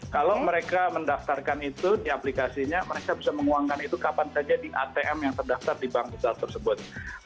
kalau mereka mendaftarkan itu di aplikasinya mereka bisa menguangkan itu kapan saja di atm yang terdaftar di bank digital tersebut